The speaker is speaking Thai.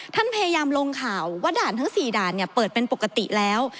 ท่านพยายามลงข่าวว่าด่านทั้ง๔ด่านเนี่ยเปิดเป็นปกติแล้ว